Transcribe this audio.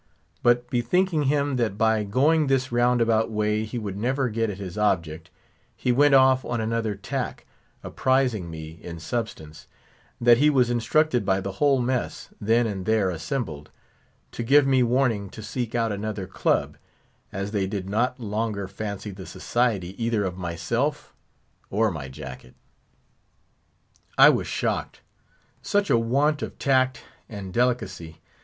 But bethinking him that by going this roundabout way he would never get at his object, he went off on another tack; apprising me, in substance, that he was instructed by the whole mess, then and there assembled, to give me warning to seek out another club, as they did not longer fancy the society either of myself or my jacket. I was shocked. Such a want of tact and delicacy!